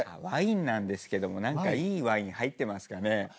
ワインなんですけども何かいいワイン入ってますかね？